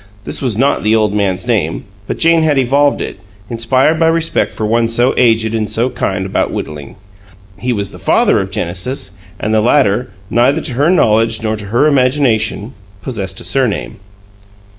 This was not the old man's name, but Jane had evolved it, inspired by respect for one so aged and so kind about whittling. He was the father of Genesis, and the latter, neither to her knowledge nor to her imagination, possessed a surname.